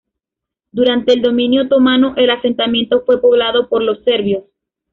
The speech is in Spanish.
Durante el dominio Otomano, el asentamiento fue poblado por los Serbios.